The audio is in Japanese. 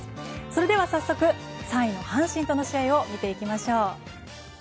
それでは、早速３位の阪神との試合を見ていきましょう。